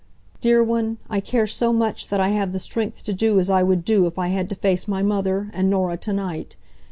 Dear one, I care so much that I have the strength to do as I would do if I had to face my mother, and Norah tonight.